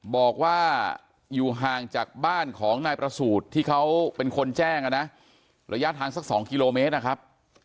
บอกว่าอยู่ห่างจากบ้านของนายประสูจน์ที่เขาเป็นคนแจ้งนะระยะทางสัก๒กิโลเมตรนะครับ